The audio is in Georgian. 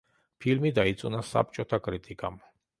ფილმი დაიწუნა საბჭოთა კრიტიკამ.